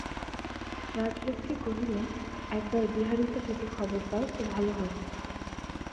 রাজলক্ষ্মী কহিলেন, একবার বিহারীকে যদি খবর দাও তো ভালো হয়।